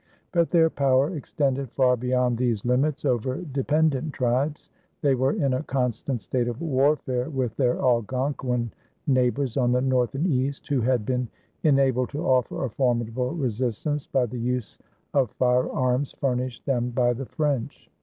But their power extended far beyond these limits over dependent tribes. They were in a constant state of warfare with their Algonquin neighbors on the north and east, who had been enabled to offer a formidable resistance by the use of firearms furnished them by the French.